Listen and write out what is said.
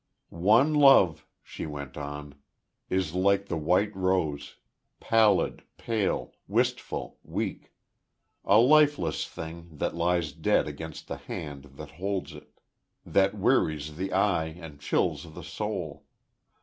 "One love," she went on, "is like the white rose pallid, pale, wistful, weak a lifeless thing that lies dead against the hand that holds it that wearies the eye and chills the soul....